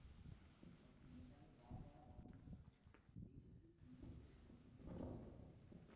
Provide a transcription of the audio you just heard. তখন নেপালের রাজা-রানি এই শিবমন্দির পরিদর্শন করতেন।